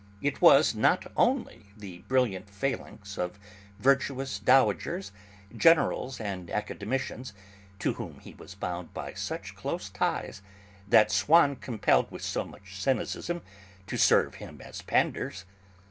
It was not only the brilliant phalanx of virtuous dowagers, generals and academicians, to whom he was bound by such close ties, that Swann compelled with so much cynicism to serve him as panders.